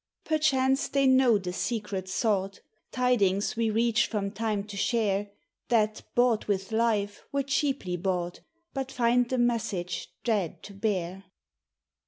20 MEMORIAL DAY. Perchance they know the secret sought, (Tidings we reach from Time to share; That bought with life were cheaply bought) , But find the message dread to bear.